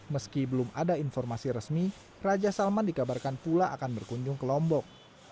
meski belum ada informasi resmi raja salman dikabarkan pula akan berkunjung ke lombok